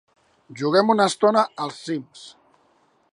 Juguem una estona al "Sims".